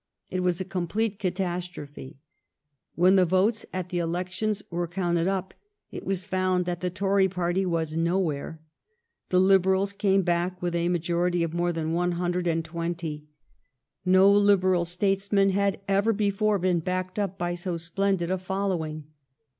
It was a complete catastrophe. When the votes at the elections were counted up, it was found that the Tory party was nowhere. The Liberals came back with a majority of more than one hundred and twenty. No Liberal statesmen had ever before been backed up by so splendid a following.